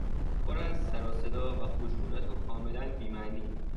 پر از سروصدا و خشونت و کاملا بی معنی